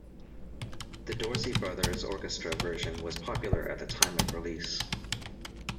The Dorsey Brothers Orchestra version was popular at the time of release.